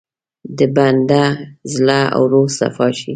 د بنده زړه او روح صفا شي.